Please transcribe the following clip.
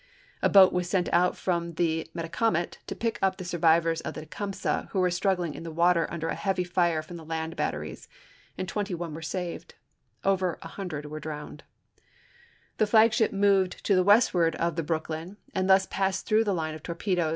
A boat was sent out from chap. x. the Metacomet to pick up the survivors of the Tecumsehy who were struggling in the water under ^ Mahan, a heavy fire from the land batteries, and twenty and einiand one were saved ; over a hundred were drowned, pp 233, 2k The flagship moved to the westward of the Brook lyn and thus passed through the line of torpedoes ; Aug.